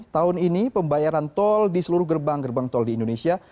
tahun ini pembayaran tol di seluruh gerbang gerbang tol di indonesia